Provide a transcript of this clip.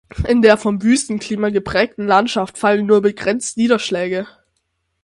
In der vom Wüstenklima geprägten Landschaft fallen nur begrenzt Niederschläge.